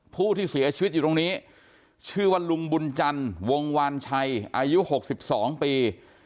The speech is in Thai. ผู้ที่เสียชีวิตอยู่ตรงนี้ชื่อว่าลุงบุญจันทร์วงวานชัยอายุ๖๒ปี